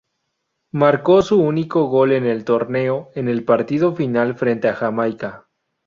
Marcó su único gol en el torneo en el partido final frente a Jamaica.